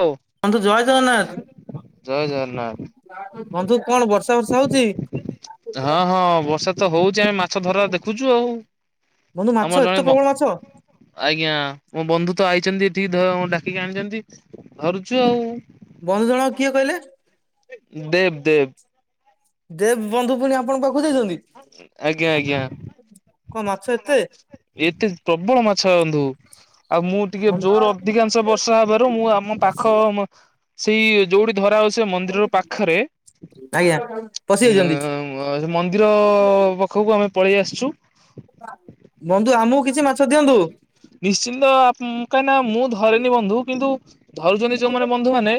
ହଉ। ବନ୍ଧୁ ଜୟ ଜଗନ୍ନାଥ। ଜୟ ଜଗନ୍ନାଥ। ବନ୍ଧୁ କଣ ବର୍ଷା ଫର୍ଷା ହଉଛି? ହଁ ହଁ ବର୍ଷା ତ ହଉଛି ଆମେ ମା ଛ ଧରା ଦେଖୁଛୁ ଆଉ। ବନ୍ଧୁ ମାଛ ଆମର ଏତେ ଜଣେ ମ ପ୍ରବଳ ମାଛ ଆଜ୍ଞା ମୋ ବନ୍ଧୁ ତ ଆଇଛନ୍ତି, ଧ ଡାକିକି ଆଣିଛନ୍ତି ଧରୁଛୁ ଆଉ। ବନ୍ଧୁ ଜଣ କିଏ କହିଲେ? ଦେବ୍ ଦେବ୍। ଦେବ୍ ବନ୍ଧୁ ପୁଣି ଆପଣଙ୍କ ପାଖକୁ ଯାଇଛନ୍ତି? ଆଜ୍ଞା ଆଜ୍ଞା। କଣ ମାଛ ଏତେ ଏତେ ପ୍ରବଳ ମାଛ ଅନ୍ଧୁ ଆଉ ମୁଁ। ଟିକେ ଜୋର ଅଧିକାଂଶ ବର୍ଷା ହେବାରୁ ମୁଁ ଆମ ପାଖ। ମ ସେଇ ଯୋଉଠି ଧରା ହଉଚି ସେ ମନ୍ଦିରରୁ ପାଖରେ। ଆଜ୍ଞା ପଶି ଉଁ ଯାଇଛନ୍ତି ଉଁ ସେ ମନ୍ଦିର ପାଖକୁ ଆମେ ପଳେଇ ଆସିଛୁ। ବନ୍ଧୁ ଆମକୁ କିଛି ମାଛ ଦିଅନ୍ତୁ। ନିଶ୍ଚିନ୍ତ ଆପ କାହିଁକିନା ମୁଁ ଧରେନି ବନ୍ଧୁ କିନ୍ତୁ। ଧରୁଛନ୍ତି ଯୋଉମାନେ ବନ୍ଧୁ ମାନେ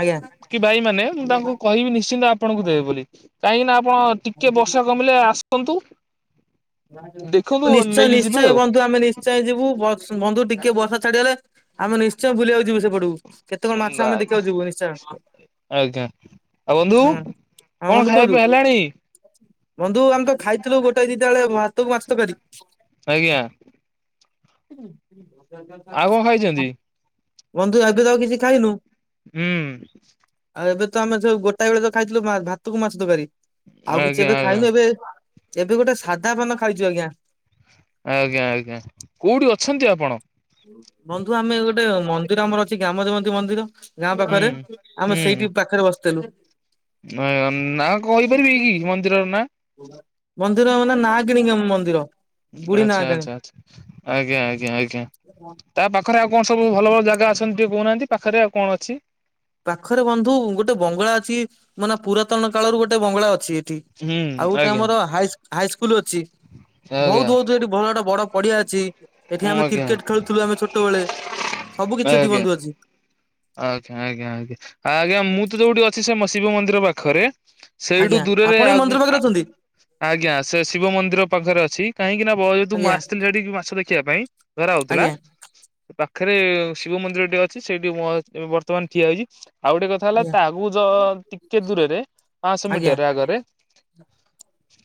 ଆଜ୍ଞା କି ବାଇ ମାନେ ମୁଁ ତାଙ୍କୁ କହିବି ନିଶ୍ଚିନ୍ତ। ଆ ଆପଣଙ୍କୁ ଦେବେ ବୋଲି କାହିଁକିନା ଆପଣ ଟିକେ ବର୍ଷା କମିଲେ ଆସନ୍ତୁ। ଦେଖନ୍ତୁ ନିଶ୍ଚୟ ନେଇକି ଯିବେ ନିଶ୍ଚୟ ଆଉ। ବନ୍ଧୁ ଆମେ ନିଶ୍ଚୟ ଯିବୁ। ବର୍ଷ ବନ୍ଧୁ ଟିକେ ବର୍ଷା ଛାଡିଗଲେ। ଆମେ ନିଶ୍ଚୟ ବୁଲିବାକୁ ଯିବୁ ସେପଟକୁ। କେତେ କଣ ମାଛ ଆମେ ଦେଖିବାକୁ ଯିବୁ ନିଶ୍ଚୟ। ଆ ଆଉ ବନ୍ଧୁ ହଁ କଣ ବନ୍ଧୁ ଖାଇବା କୁହନ୍ତୁ ପିଇବା ହେଲାଣି? ବନ୍ଧୁ ଆମେ ତ ଖାଇଥିଲୁ ଗୋଟାଏ ଦିଟା ବେଳେ ଭାତକୁ ମାଛ ତକାରି। ଆଜ୍ଞା ଆଉ କଣ ଖାଇଛନ୍ତି? ବନ୍ଧୁ ଏବେ ତ ଆଉ କିଛି ଖାଇନୁ। ହୁଁ। ଆଉ ଏବେ ତ ଆମେ ସେ ଗୋଟାଏ ବେଳେ ତ ଖାଇଥିଲୁ ମା ଭାତକୁ ମାଛ ତକାରୀ। ଆଉ ଆଜ୍ଞା କିଛି ଏବେ ଆଜ୍ଞା ଖାଇନୁ ଏବେ ଏବେ ଗୋଟେ ସାଧା ପାନ ଖାଇଛୁ ଆଜ୍ଞା। ଆଜ୍ଞା ଆଜ୍ଞା। କୋଉଠି ଅଛନ୍ତି ଆପଣ? ବନ୍ଧୁ ଆମେ ଗୋଟେ ମନ୍ଦିର ଆମର ଅଛି ଗାମ ଦେବନ୍ତୀ ମନ୍ଦିର। ଗାଁ ହୁଁ ପାଖରେ ଆମେ ସେଇଠି ପାଖରେ ବସିଥିଲୁ। ଉଁ ନା କହିପାରିବି କି ମନ୍ଦିରର ନାଁ? ମନ୍ଦିର ମାନେ ଆମ ନା କିଣିକି ମନ୍ଦିର। ବୁଢୀ ନାଁ ଆଚ୍ଛା, ଆଚ୍ଛା, ଆଛା। ଆଜ୍ଞା, ଆଜ୍ଞା, ଆଜ୍ଞା। ହୁଁ। ତା ପାଖରେ ଆଉ କଣ ସବୁ ଭଲ ଭଲ ଜାଗା ଅଛନ୍ତି ଟିକେ କହୁନାଆନ୍ତି? ପାଖରେ ଆଉ କଣ ଅଛି? ପାଖରେ ବନ୍ଧୁ ଗୋଟେ ବଙ୍ଗଳା ଅଛି ମାନେ ପୁରାତନ କାଳରୁ ଗୋଟେ ବଙ୍ଗଳା ଅଛି ଏଠି। ହୁଁ ଆଉ ଗୋଟେ ଆଜ୍ଞା ଆମର ହାଇସ୍‌ ହାଇସ୍କୁଲ ଅଛି ଆଜ୍ଞା ଭୋଉତ୍ ଭୋଉତ୍ ସେଠି ବଣାଟା ବଡ଼ ପଡ଼ିଆ ଅଛି। ଏଠି ଆମେ ଆଜ୍ଞା କିର୍କେଟ ଖେଳୁଥିଲୁ ଆମେ ଛୋଟବେଳେ ସବୁ କିଛି ଏଠି ଆଜ୍ଞା ବନ୍ଧୁ ଅଛି। ଆଜ୍ଞା ଆଜ୍ଞା ଆଜ୍ଞା ଆଜ୍ଞା ମୁଁ ତ ଯୋଉଠି ଅଛି ସେ ମ ଶିବ ମନ୍ଦିର ପାଖରେ। ସେଇଟୁ ଆଜ୍ଞା ଦୂରରେ ଆପଣ ଆ ଏଇ ମନ୍ଦିର ଉଁ ପାଖରେ ଆ ଆ ଅଛନ୍ତି ଆଜ୍ଞା ସେଶିବ ମନ୍ଦିର ପାଖରେ ଅଛି କାହିଁକିନା ବ ଯେହେତୁ ମୁଁ ଆଜ୍ଞା। ଆସିଥିଲି ସେଇଠିକି ମାଛ ଦେଖିବା ପାଇଁ। ଧରା ହଉଥିଲା? ଆଜ୍ଞା ପାଖରେ ଶିବ ମନ୍ଦିର ଟେ ଅଛି ସେଇଠି ମୁଁ ବର୍ତ୍ତମାନ ଠିଆ ହେଇଛି। ଆଉ ଗୋଟେ କଥା ହେଲା ଆଜ୍ଞା ତା ଭଉତ ଟିକେ ଦୂରରେ ପାଁଶ ଆଜ୍ଞା ମିଟରରେ ଆଗରେ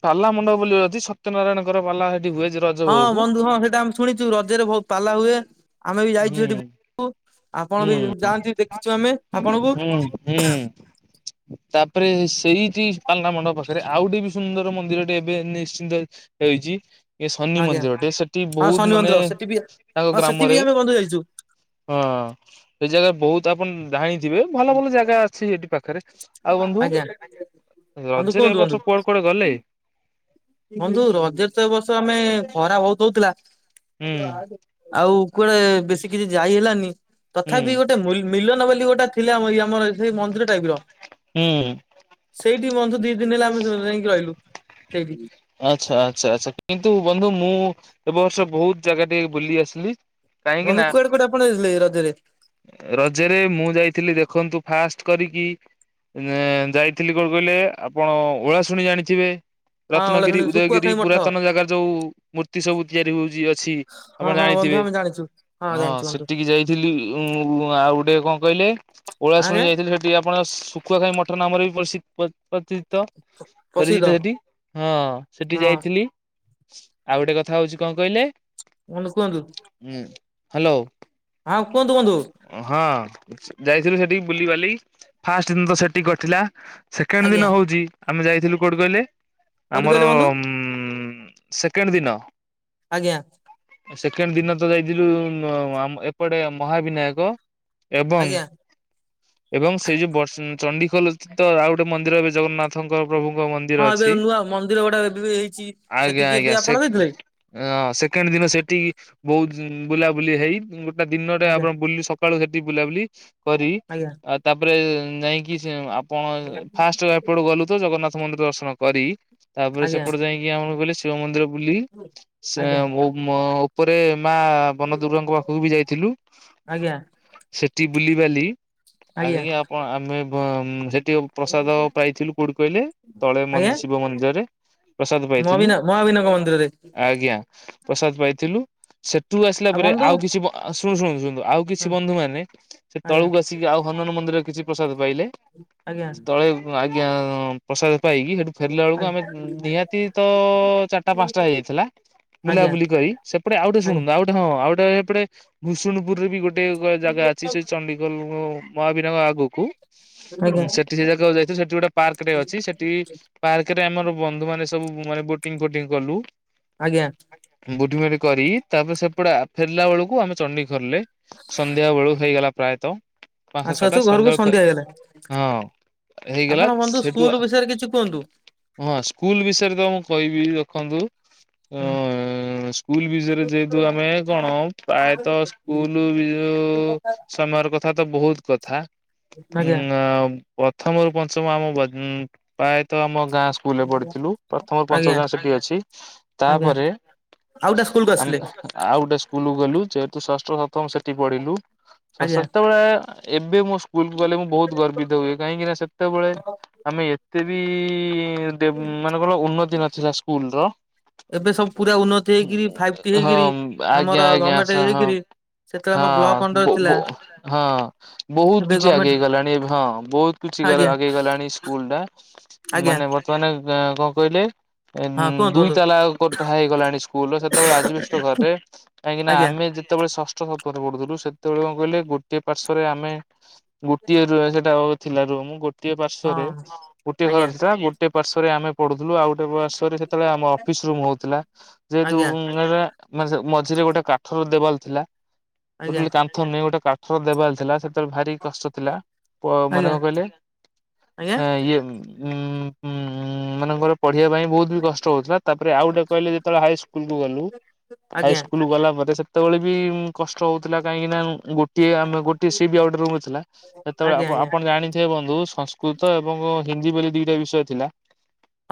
ପାଲା ମଣ୍ଡପ ବୋଲି ଅଛି, ସତ୍ୟ ନାରାୟଣଙ୍କର ପାଲା ସେଠି ହୁଏ। ର ହଁ ବନ୍ଧୁ ହଁ ସେଟା ଆମେ ଶୁଣିଚୁ, ରଜରେ ବହୁତ ପାଲା ହୁଏ। ଆମେ ବି ହୁଁ ଯାଇଛୁ ସେଠି ବୁ ଆପଣ ହୁଁ ବି ଯାଆନ୍ତି ଦେଖିଚୁ ଆମେ ଆପଣଙ୍କୁ। ହୁଁ ହୁଁ ତାପରେ ସେଇଠି ପାଲା ମଣ୍ଡପ ପାଖରେ ଆଉ ଟେ ବି ସୁନ୍ଦର ମନ୍ଦିରଟେ ଏବେ ନିଶ୍ଚିନ୍ତ ହେଇଚି। ଇଏ ଶନି ଆଜ୍ଞା ମନ୍ଦିର ଟେ, ସେଠି ହଁ ବହୁତ ଶନି ମାନେ ମନ୍ଦିର ସେଠି ବି ତାଙ୍କ ହଁ ସେଠି ବି ଗ୍ରାମରେ ଆମେ ବନ୍ଧୁ ଯାଇଛୁ ହଁ ଏ ଜାଗା ବହୁତ ଆପଣ ଜାଣିଥିବେ? ଭଲ ଭଲ ଜାଗା ଅଛି ସେଠି ପାଖରେ। ଆଉ ବନ୍ଧୁ ଆଜ୍ଞା ବନ୍ଧୁ ରଜରେ କୁହନ୍ତୁ ଏ ବନ୍ଧୁ ବର୍ଷ କୁଆଡେ କୁଆଡେ ଗଲେ? ବନ୍ଧୁ ରଜରେତ ଏବର୍ଷ ଆମେ ଖରା ଭୋଉତ୍ ହୋଉଥିଲା ହୁଁ ହଉ ତୁ ଆସେ ଆଉ କୁଆଡେ ବେଶୀ କିଛି ଯାଇ ହେଲାନି ହୁଁ ତଥାପି ଗୋଟେ ମୁଲ୍ ମିଲନ ବୋଲି ଗୋଟେ ଥିଲାମ ଇ ଆମର ସେ ମନ୍ଦିର ଟାଇପ୍ ର ହୁଁ ସେଇଠି ବନ୍ଧୁ ଦି ଦିନ୍‌ ହେଲା [unintelligible] ଯାଇକି ରହିଲୁ ସେଇଠି। ଆଚ୍ଛା ଆଚ୍ଛା ଆଚ୍ଛା କିନ୍ତୁ ବନ୍ଧୁ ମୁଁ ଏବର୍ଷ ବହୁତ୍ ଜାଗା ଟିକେ ବୁଲି ଆସିଲି। କାହିଁକି ରନୁ ନା କୁଆଡ଼େ କୁଆଡ଼େ ଆପଣ ଯାଇଥିଲେ ରଜରେ? ରଜରେ ମୁଁ ଯାଇଥିଲି ଦେଖନ୍ତୁ ଫାଷ୍ଟ କରିକି ଏଁ ଯାଇଥିଲି କୋଉ କହିଲେ ଆ ଆପଣ ଓଳା ଶୁଣି ଜାଣିଥିବେ। ହଁ ରତ୍ନଗିରି ଓଳାଶୁଣୀ ଶୁଖୁଆ ଉଦୟଗିରି ଖାଇ ମଠ ପୁରାତନ ଜାଗାର ଯୋଉ ମୂର୍ତ୍ତି ସବୁ ତିଆରି ହଉଚି ଅଛି‌। ହଁ ହଁ ବନ୍ଧୁ ଆମେ ଜାଣିଚୁ। ହଁ ସେଟିକି ଯାଇଥିଲି ଉଁ ଆଉ ଗୋଟେ କଁ କହିଲେ ଆଜ୍ଞା [unintelligible] ଠି ଆପଣ ଶୁଖୁଆ ଖାଇ ମଠରନାମରେ ପ ସି ପର୍ ପର୍ଚିତ୍ ପ୍ରସିଦ୍ଧ ସେଠି ହଁ ସେଟି ହଁ ଯାଇଥିଲି ଆଉ ଗୋଟେ କଥା ହଉଚି କଁ କହିଲେ? କଣ କୁହନ୍ତୁ? ହୁଁ ହାଲୋ। ହଁ କୁଅନ୍ତୁ? ଉଁ ହଁ ଯାଇଥିଲୁ ସେଟିକି ବୁଲିବାଲି ଫାଷ୍ଟ ଦିନତ ସେଟି କଟିଲା ସେକେଣ୍ଡ ଆଜ୍ଞା ଦିନ ହଉଚି ଆମେ ଯାଇଥିଲୁ କୋଉଠି କହିଲେ? କୋଉଠି ଆମର କହିଲେ ବନ୍ଧୁ ଉଁ ସେକେଣ୍ଡ ଦିନ ଆଜ୍ଞା। ସେକେଣ୍ଡ ଦିନ ତ ଯାଇଥିଲୁ ନ ଆମ୍ ଏପଡେ ମହାବିନାୟକ। ଏବଂ ଆଜ୍ଞା ଏବଂ ସେଇ ଯୋଉ ବସ୍‌ ଚଣ୍ଡିଖୋଲ ତିତ ଆଉ ଗୋଟେ ମନ୍ଦିର ଏବେ ଜଗନ୍ନାଥଙ୍କ ପ୍ରଭୁଙ୍କ ମନ୍ ହଁ ଏବେ ନୂଆ ମନ୍ଦିର ଗୋଡା ଏବେ ବି ହେଇଚି ସେତିକି ବି ଆପଣ ଯାଇଥିଲେ? ଅଁ ସେକେଣ୍ଡ ଦିନ ସେଟି ବହୁତ୍ ବୁଲାବୁଲି ହେଇ ଗୋଟ୍ ଟା ଦିନଡେ ଆଜ୍ଞା ଆପଣ ବୁଲି ସକାଳୁ ସେଟି ବୁଲାବୁଲି କରି ଆଜ୍ଞା ଆ ତାପରେ ଯାଇଁକି ସେ ଆପଣ ଫାଷ୍ଟ ହେପଡୁ ଗଲୁ ତ ଜଗନ୍ନାଥ ମନ୍ଦିର ଦର୍ଶନ କରି ତାପରେ ଆଜ୍ଞା। ସେପଡେ ଯାଇଁକି ଆମର ବୋଇଲେ ଶିଅ ମନ୍ଦିର ବୁଲି ସେ ଆଜ୍ଞା ମୋଉ ମ ଉପରେ ମା ବନଦୁର୍ଗାଙ୍କ ପାଖକୁ ବି ଯାଇଥିଲୁ। ଆଜ୍ଞା ସେଟି ବୁଲିିବାଲି ଆ ଆଜ୍ଞା ଯାଇଁକି ଆପ ଆମେ ବ ଉଁ ସେଟି ପ୍ରସାଦ ପାଇଥିଲୁ କୋଉଠି କହିଲେ ତଳେ ଆଜ୍ଞା ମନ୍ଦ୍ ଶିବ ମନ୍ଦ୍ ପ୍ରସାଦ ପାଇଥିଲୁ ମହାବିନା ମହାବିନାୟକ ମନ୍ଦିରରେ ଆଜ୍ଞା ପ୍ରସାଦ ପାଇଥିଲୁ। ସେଠୁ ଆସିଲା ପରେ ଆଉ କିଛି, ଶୁଣୁ ଶୁଣୁ, ଶୁଣନ୍ତୁ ଆଉ କିଛି ହଁ ବନ୍ଧୁ ମାନେ ସେ ଆଜ୍ଞା ତଳକୁ ଆସିକି ଆଉ ହନୁମାନ ମନ୍ଦିର ରେ କିଛି ପ୍ରସାଦ ପାଇଲେ। ଆଜ୍ଞା ତଳେ ଆଜ୍ଞା ପ୍ରସାଦ ପାଇକି ହେଠୁ ଫେରିଲା ବେଳକୁ ଆମେ ଆଜ୍ଞା ନିହାତି ତ ଚାରିଟା ପାଞ୍ଚଟା ହେଇଯାଇଥିଲା। ଆଜ୍ଞା ବୁଲାବୁଲି କରି ସେପଟେ ଆଉ ଗୋଟେ ଶୁଣନ୍ତୁ, ଆ ହଁ ଆଉ ଗୋଟେ ଏପଟେ ଭୂଷୁଣୁପୁରୁ ବି ଗୋଟେ ଜାଗା ଅଛି। ସେ ଚଣ୍ଡି ମହାବିନାୟକ ଆଗକୁ ଆଜ୍ଞା ସେ ଟି ସେ ଜାଗାକୁ ଯାଇଥିଲୁ ସେଠି ଗୋଟେ ପାର୍କ ଟେ ଅଛି। ସେଠି ପାର୍କ କେରେ ଆମର ବନ୍ଧୁ ମାନେ ସବୁ ମାନେ ବୋଟିଂ ଫୋଟିଂ କଲୁ। ଆଜ୍ଞା। ବୁଢି ମରି କରି ତାପରେ ସେପଡେ ଆ ଫେରଲା ବେଳକୁ ଆମେ ଚଣ୍ଡି ଧରିଲେ ସନ୍ଧ୍ୟା ବେଳୁ ହେଇଗଲା ପ୍ରାୟତଃ। ପାଞ୍ଚଟା ଆସୁ ଛଅଟା ଆସୁ ଘରୁକୁ ସନ୍ଧ୍ୟାବେଳୁ ସନ୍ଧ୍ୟା ହେଇଗଲା। ହଁ ହେଇଗଲା ଆପଣ ବନ୍ଧୁ ସେଠୁ ସ୍କୁଲ ବିଷୟରେ କିଛି କୁହନ୍ତୁ? ହଁ ସ୍କୁଲ ବିଷୟରେ ତମକୁ କହିବି ରଖନ୍ତୁ। ହୁଁ‌। ହୁଁ ସ୍କୁଲ ବିଷୟରେ ଯେହେଦୁ ଆମେ କଣ ପ୍ରାୟତଃ ସ୍କୁଲ ଯୋଉ ତମୟର କଥାତ ବହୁତ୍ କଥା ଆଜ୍ଞା ଉଁ ଆମ୍ ପ୍ରଥମରୁ ପଞ୍ଚମ ଆମ [unintelligible] ପ୍ରାୟତଃ ଆମ ଗାଁ ସ୍କୁଲରେ ପଢ଼ିଥିଲୁ ପ୍ରଥମ ପଞ୍ଚମ ଆଜ୍ଞା ଯାଏଁ ସେଠି ଅଛି। ଆଜ୍ଞା। ତାପରେ ଆଉ ଗୋଟେ ସ୍କୁଲକୁ ଆସି ଆମେ ଥିଲେ? ଆଉ ଗୋଟେ ସ୍କୁଲ କୁ ଗଲୁ ଯେହେତୁ ଷଷ୍ଠ ରୁ ସପ୍ତମ ସେଠି ପଢିଲୁ। ସ ଆଜ୍ଞା ସେତେବେଳେ ଏବେ ମୋ ସ୍କୁଲକୁ ଗଲେ ମୁଁ ବହୁତ ଗର୍ବିତ ହୁଏ। କାହିଁକିନା ସେତେବେଳେ ଆମେ ଏତେ ବି ଦେ- ମାନେ କର ଉନ୍ନତି ନଥିଲା ସ୍କୁଲ ର। ଏବେ ସବୁ ପୁରା ଉନ୍ନତି ହେଇକିରି ଫାଇଭ ଟି ହେଇକିରି ହଁ, ଆମର ଆଜ୍ଞା ଆଜ୍ଞା। ଗଭର୍ଣ୍ଣମେଣ୍ଟ ସ ହଁ। ହେଇକିରି ସେତେବେଳେ ଆମର ବ୍ଲକ ହଁ ଅଣ୍ଡର ବୋ ଥିଲା ବୋ ହଁ ବହୁତ ଏବେ କିଛି ଆଗେଇ ଗଭର୍ଣ୍ଣମେଣ୍ଟ ଗଲାଣି। ଏବେ ହଁ ବହୁତ କିଛି ଗାର ଆଜ୍ଞା ଆଗେଇ ଗଲାଣି ସ୍କୁଲ ଟା, ଆଜ୍ଞା ମାନେ ବର୍ତ୍ତମାନ କଣ କହିଲେ ଏନ୍ ହଁ କୁହନ୍ତୁ ଦୁଇ କୁହନ୍ତୁ ତାଲା କୋଠା ହେଇଗଲାଣି ସ୍କୁଲ ର, ସେତେବେଳେ ଆଜବେଷ୍ଟ ଘରେ କାହିଁକିନା ଆଜ୍ଞା ଆମେ ଯେତେବେଳେ ଷଷ୍ଠ ସେପଟେ ପଢୁଥିଲୁ ସେତେବେଳେ, କଣ କହିଲେ ଗୋଟେ ପାର୍ଶରେ ଆମେ ଗୋଟିଏ ରୁହେ ସେଟା ଆଉ ଥିଲା ରୁମ୍, ଗୋ ଗୋଟିଏ ହଁ ପାର୍ଶ୍ଵରେ ଗୋଟେ ଘର ଆଜ୍ଞା ଥିଲା, ଗୋଟେ ପାର୍ଶ୍ଵରେ ଆମେ ପଢୁଥିଲୁ, ଆଉ ଗୋଟେ ପାଶ୍ ଟେ, ସେତେବେଳେ, ଆମ ଅଫିସ ରୁମ୍ ହଉଥିଲା, ଯେହେତୁ ଆଜ୍ଞା ଉମ୍ ମାନେ ମଝି-ମଝିରେ ଗୋଟେ କା ଫୁଲ୍ ଦେବାର ଥିଲା। ଆଜ୍ଞା ଟୋଟାଲ କାନ୍ଥ ନିଅଁ ଗୋଟେ କାଠର ଦେବାଲ ଥିଲା। ସେତେବେଳେ ଭାରି କଷ୍ଟ ଥିଲା ପ ମନେ ଆଜ୍ଞା କଣ କହିଲେ? ଆଜ୍ଞା ଆଁ ଇଏ ଉଁ ହୁଁ ଏମାନଙ୍କର ପଢିବା ପାଇଁ ବହୁତ ବୋହୁତ୍ କଷ୍ଟ ହଉଥିଲା। ତାପରେ ଆଉ ଗୋଟେ କହିଲେ, ଯେତେବେଳେ ହାଇସ୍କୁଲକୁ ଗଲୁ। ଆଜ୍ଞା ହାଇସ୍କୁଲ ଗଲା ପରେ ସେ ସେତେବେଳେ ବିଁ କଷ୍ଟ ହଉଥିଲା କାହିଁକିନା, ଗୋ ଟିଏ, ଆମେ ଗୋଟିଏ ସେ ବି ଆଉ ଗୋଟେ ରୁମ୍ ରେ ଥିଲା। ସେତେବେଳେ ଆଜ୍ଞା ଆଜ୍ଞା ଆପ୍-ଆପଣ ଜାଣି ହେ ବନ୍ଧୁ ସଂସ୍କୃତ ଏବଂ ହିନ୍ଦୀ ବୋଲି ଦିଇଟା ବିଷୟ ଥିଲା।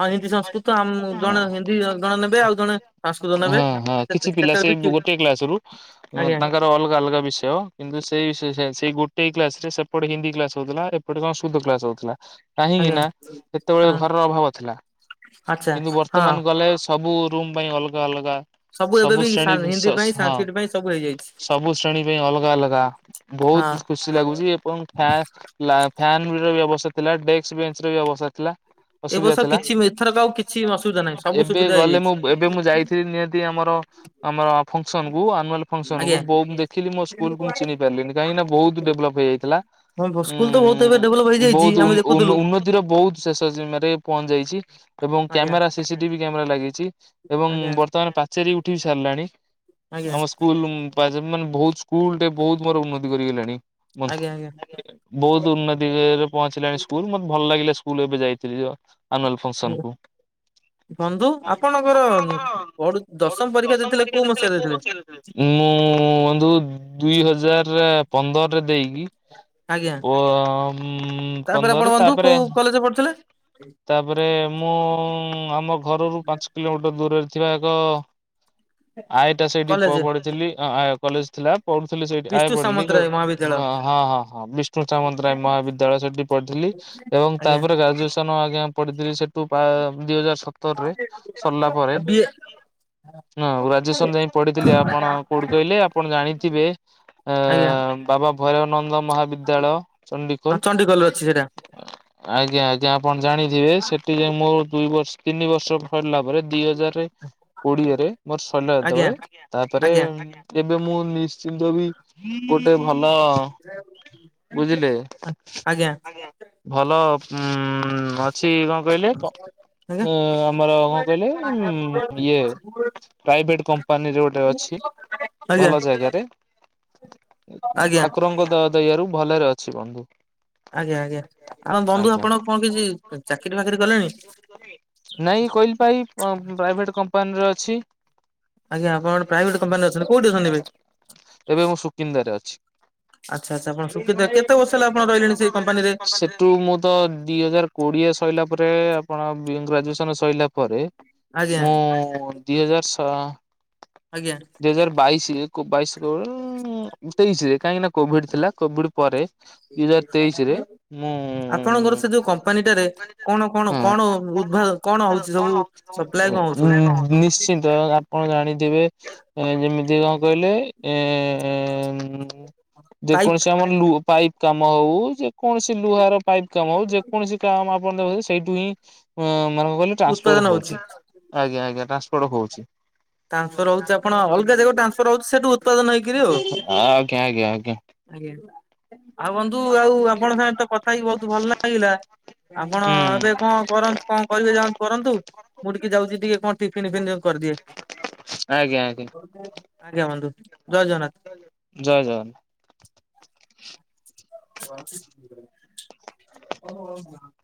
ହଁ ହିନ୍ଦୀ ସଂସ୍କୃତ ଆମ୍ ଜଣେ ହିନ୍ଦୀ ଜଣେ ନେବେ, ଆଉ ଜଣେ ସଂସ୍କୃତ ନେବେ। ଆଁ କିଛି ପିଲା ସେତେବେଳେ ସେ, ବି କି ଗୋଟେ କ୍ଲାସରୁ ଆଜ୍ଞା ତାଙ୍କର ଅଲ୍ ସବୁ ଅଲଗା ବିଷୟ, କିନ୍ତୁ ସେ-ସେଇ ଗୋଟାଏ କ୍ଲାସ୍ ରେ ସେପଟେ ହିନ୍ଦୀ କ୍ଲାସ ହଉଥିଲା। ଏପ୍ ଏପଟେ କଣ ସୁଦ୍ଧ କ୍ଲାସ ହଉଥିଲା। କାହିଁକି ଆଜ୍ଞା ନା ସେତେବେଳେ ହଁ ଘରର ଅଭାବ ଥିଲା। ଆଚ୍ଛା କିନ୍ତୁ ହଁ ବର୍ତ୍ତମାନ ଗଲେ ସବୁ ରୁମ୍ ପାଇଁ ଅଲଗା ଅଲଗା ଏବେ ସବୁ ବି ଶ୍ରେଣୀ ହିନ୍ଦୀ ଭିଷସ୍ ପାଇଁ ହଁ, ସାଂସ୍କ୍ରିଟ ପାଇଁ ସବୁ ହେଇଯାଇଛି ସବୁ ଶ୍ରେଣୀ ପାଇଁ ଅଲଗା ଅଲଗା। ହଁ ବହୁତ୍ ଖୁସି ଲାଗୁଛି। ଏବଂ ଫା- ଲା ଫ୍ୟାନ ର ବ୍ୟବସ୍ଥା ଥିଲା। ଡେସ୍କ୍, ବେଞ୍ଚ ର ବ୍ୟବସ୍ଥା ଥିଲା। ଏ ଅସୁବିଦା ବର୍ଷ ଥିଲା। କିଛି ଏଥରକ ଆଉ କିଛି ଅସୁବିଧା ନାହିଁ ସବୁ ଏବେ ସୁବିଧା ଗଲେ ହେଇଯାଇଛି ମୁଁ, ଏବେ ମୁଁ ଯାଇ ଚି, ନିହାତି ଆମର ଆମ--ଫଙ୍କ୍ସନକୁ ଆନୁଆଲ୍ ଫଙ୍କ୍ସନ କୁ, ଆଜ୍ଞା। ବୋ ଦେଖିଲି ମୋ ସ୍କୁଲକୁୁ ମୁଁ ଚିହ୍ନି ପାରିଲିନି। କାହିଁକିନା ବହୁତ୍ ଡେଭ୍ଲପ୍ ହେଇଯାଇଥିଲା। ସ୍କୁଲ ତ ବହୁତ୍ ଏବେ ଡେଭେଲପ ହେଇଯାଇଚି, ଆମେ ଦେକୁତୁଲୁ। ର, ବଉତ୍ ଶେଷ ସୀମାରେ ପଁ- ଯାଇଚି। ଏବଂ ଆଜ୍ଞା କ୍ୟାମେରା ସିସି ଟିଭି କ୍ୟାମେରା ଲାଗିଚି। ଏବଂ ଆଜ୍ଞା ବର୍ତ୍ତମାନ ପାଚେରି ଉଠେଇ ସାର୍ଲାଣି। ଆଜ୍ଞା ଆମ ସ୍କୁଲୁ ମାନେ ବହୁତ୍ ସ୍କୁଲ୍‌ ଟେ ବହୁତ୍ ମୋର ଉନ୍ନତି କରିଗେଲାଣି। ଆଜ୍ଞା ଆଜ୍ଞା। ବହୁତ୍ ଉନ୍ନତି-ରେ ପହଞ୍ଚିଲା- ସ୍କୁଲ୍‌। ମତେ ଭଲ୍ ଲାଗିଲା ସ୍କୁଲ୍, ଏବେ ଯାଇଥିଲି ଯ ଆନୁଆଲ୍ ଫଙ୍କ୍‌ସନ୍‌ କୁ। ବନ୍ଧୁ, ଆପଣଙ୍କର ଦଶମ ପରୀକ୍ଷା ଦେଇଥିଲେ, କଉ ମସିହା ରେ? ମୁଁ ବନ୍ଧୁ ଦୁଇ ହଜାର୍- ପନ୍ଦର୍ ରେ ଦେଇକି ଆଜ୍ଞା ପ ମ୍ ତାପରେ ପନ୍ଦର୍ ଆପଣ ରେ ବନ୍ଧୁ ତା'ପରେ [inaudible] ତା'ପରେ ମୁଁ ଆମ ଘରରୁ ପାଞ୍ଚ୍ କିଲୋମିଟର ଦୂରରେ ଥିବା। ଏକ ଆଏଟା ସେଇଟି ପ କଲେଜ ପଢୁଥିଲି, ହଁ! - କଲେଜ ଥିଲା ପଢୁଥିଲି ସେଇଟି। ଆଏ ବିଷ୍ଣୁ ପ-ଲି ହଁ ସାମନ୍ତରାୟ ମହାବିଦ୍ୟାଳୟ ହଁ ହଁ! ବିସ୍‌ଣ୍ଟୁ ସାମନ୍ତରାୟେ ମହାବିଦ୍ୟାଳୟ, ସେଠି ପଢ଼ିଥିଲି। ଏବଂ ଆଜ୍ଞା। ତା'ପରେ ଗାଜୁଏସନ ଆଜ୍ଞା ପଢ଼ିଥିଲି। ସେ ତୁ ପା- ଦିଇ ହଜାର୍ ସତର୍ ରେ ସର୍ଲା ପରେ ବି ଏ ଗ୍ରାଜୁଏସନ୍‌ ଯାଏ ପଡ଼ିଥିଲି। ଆପଣ କଉଠୁ କହିଲେ? ଆପଣ ଜାଣିଥିବେ ଆଜ୍ଞା ଆ---ବାବା ଭୈରାବନନ୍ଦ ମହାବିଦ୍ୟାଳୟ ଚଣ୍ଡିଖୋଲ୍ ଚଣ୍ଡିଖୋଲରେ ଅଛି ସେଇଟା [inaudible] ଆଜ୍ଞା ଆ ଆପଣ ଜାଣିଥିବେ, ସେଠି ଯେ ମୋର୍ ଦୁଇ ବର୍ଷ ତିନି ବର୍ଷ ସରିଲା ପରେ। ଦି ହଜାର୍‌ ରେ କୋଡିଏ ରେ ମର୍ ସରିଲା ଆଜ୍ଞା ଯେତବଳେ, ତାପରେ ଆଜ୍ଞା। ଏବେ, ମୁଁ ନିଶ୍ଚିନ୍ତ ବି ଗୋଟେ ଭଲ ବୁଝିଲେ? ଆଜ୍ଞା ଭଲ ଉଁ ଉଁ ଅଛି, କ'ଣ କହିଲେ? ଆଜ୍ଞା ଉଁ, ଆମର କ'ଣ କହିଲେ? ଉଁ ଇଏ ପ୍ରାଇଭେଟ୍ କମ୍ପାନୀରେ ଗୋଟେ ଅଛି, ଆଜ୍ଞା ଭଲ ଜାଗାରେ। ଆଜ୍ଞା। ଠାକୁରଙ୍କ ଦ ଦୟଆରୁ ଭଲରେ ଅଛି ବନ୍ଧୁ। ଆଜ୍ଞା ଆଜ୍ଞା! ଆ ବନ୍ଧୁ ଆଜ୍ଞା ଆପଣ କ'ଣ କିଛି ଚାକିରି ଫାକିରି କଲେଣି? ପ୍ରାଇଭେଟ୍ କମ୍ପାନୀରେ ଅଛି। ଆଜ୍ଞା! ଆପଣ ଗୋଟେ ପ୍ରାଇଭେଟ୍ କପାନୀ ରେ ଅଛନ୍ତି। କଉଠି ଅଛନ୍ତି ଏବେ? ଏବେ ମୁଁ ସୁକିନ୍ଦାରେ ଅଛି। ଆଚ୍ଛା ଆଚ୍ଛା ଆପଣ ସୁକିନ୍ଦା କେତେ ବର୍ଷ ହେଲା ଆପଣ ରହିଲେଣି ସେଇ କମ୍ପାନୀରେ? ସେଟୁ ମୁଁ ତ ଦିଇ ହଜାର କୋଡ଼ିଏ ସଇଲା, ପରେ ଆପଣ ଗ୍ରାଜୁଏସନ୍ ସଇଲା ପରେ ଆଜ୍ଞା ମୁଁ ଦିଇ ହଜାର୍ ସଅ ଆଜ୍ଞା। ଦିଇ ହଜାର୍ ବାଇଶି ବାଇଶ୍ ତେଇଶ୍ ରେ କାହିଁକି ନା କୋଭିଡ୍‌ ଥିଲା। କୋଭିଡ୍‌ ପରେ ଦିଇ ହଜାର୍ ତେଇଶ୍ ରେ [inaudible] ଆପଣଙ୍କର ସେ ଯଉ କମ୍ପାନୀଟା ରେ କଣ କଣ କଣ ଉଦ୍ଭା- କ'ଣ ହଉଚି ସବୁ। ସପ୍ଲାାଇ ହଁ କ'ଣ ହଉଚି ସବୁ। ନିଶ୍ଚିନ୍ତ, ଆପଣ ଜାଣିଥିବେ? -ଯେମିତି କ'ଣ କହିଲେ? ଏଁଏଁ ପାଇପ୍ ଯେକୌଣସି ଆମର ଲୁ ପାଇପ୍ କାମ ଅଉ, ଯେକୌଣସି ଲୁଆର ପାଇପ୍ କାମ ହଉ। ଯେକୌଣସି ଆପଣ ଦେଖୁ-ନ୍ତି, ସେଇଟୁ ହିଁ ମାନେ କ'ଣ କହିଲେ? ଟ୍ରାନ୍ସପଡ୍‌ ଉତ୍ପାଦନ ହଉଛି ହଉଚି। ଆଜ୍ଞା ଆଜ୍ଞା! ଟ୍ରାନ୍ସପଡ଼ ହଉଚି। ଟାନ୍ସପର ହଉଚି, ଆପଣ ଅଲଗା ଜାଗାକୁ ଟ୍ରାନ୍ସପର ହଉଚି। ସେଇଟୁ ଉତ୍ପାଦନ ହେଇ [inaudible] ଆଉ ବନ୍ଧୁ ଆଉ ଆପଣଙ୍କ ସାଙ୍ଗରେ ତ କଥା ହେଇିକି ବହୁତ୍ ଭଲ୍ ଲାଗିଲା। ଆପଣ ହୁଁ ଏବେ କଣ କରନ୍ତୁ? କଣ କରିବେ ଯାଆନ କରନ୍ତୁ? ମୁଁ ଟିକେ ଯାଉଛି, ଟିକେ କଣ ଟିଫିିନ ଫିଫିନ୍ ଯଉ କରିଦିଏ? ଆଜ୍ଞା ଆଜ୍ଞା। ଆଜ୍ଞା ବନ୍ଧୁ, ଜୟ ଜଗନ୍ନାଥ। ଜୟ ଜଗନ୍। [inaudible]